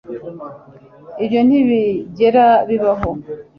Ibyo ntibigera bibaho